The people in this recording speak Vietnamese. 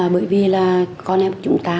bởi vì là con em của chúng ta